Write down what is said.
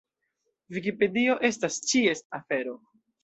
Vikipedio estas ĉies afero.